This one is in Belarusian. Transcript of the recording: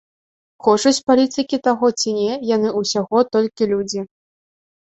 Хочуць палітыкі таго ці не, яны ўсяго толькі людзі.